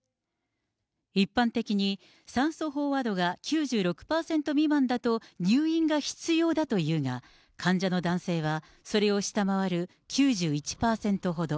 一般的に、酸素飽和度が９６％未満だと入院が必要だというが、患者の男性は、それを下回る９１％ほど。